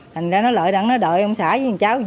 thành ra nó lợi đẳng nó đợi ông xã với cháu về